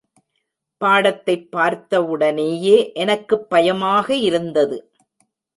பாடத்தைப் பார்த்தவுடனேயே எனக்குப் பயமாக இருந்தது.